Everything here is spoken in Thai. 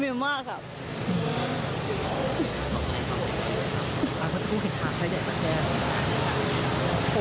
ผมยังอยากรู้ว่าว่ามันไล่ยิงคนทำไมวะ